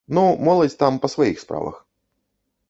Ну, моладзь там па сваіх справах.